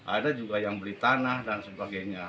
ada juga yang beli tanah dan sebagainya